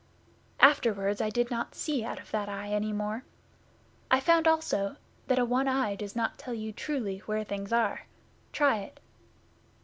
'Afterwards I did not see out of that eye any more. I found also that a one eye does not tell you truly where things are. Try it!